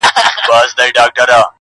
د دې وطن د شمله ورو قدر څه پیژني!!